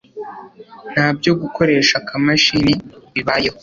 ntabyo gukoresha akamashini, bibayeho